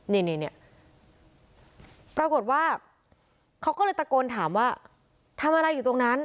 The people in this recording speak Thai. นี่ปรากฏว่าเขาก็เลยตะโกนถามว่าทำอะไรอยู่ตรงนั้น